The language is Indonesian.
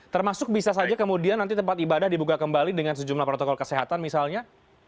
termasuk bisa saja kemudian nanti tempat ibadah dibuka kembali dengan sejumlah protokol kesehatan misalnya